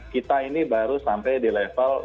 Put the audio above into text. kita ini baru sampai di level